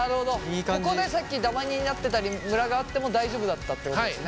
ここでさっきダマになってたりムラがあっても大丈夫だったっていうことですね。